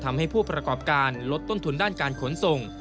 ผู้ประกอบการลดต้นทุนด้านการขนส่ง